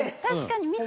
確かに。